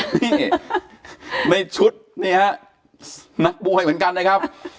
นี่ในชุดนี่ฮะนักมวยเหมือนกันนะครับ